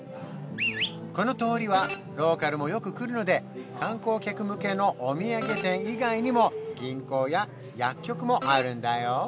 この通りはローカルもよく来るので観光客向けのお土産店以外にも銀行や薬局もあるんだよ